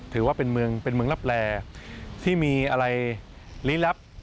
ถือว่าเป็นเมืองรับแร่ที่มีอะไรลิลับ